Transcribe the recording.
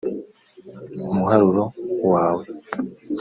umuharuro wawe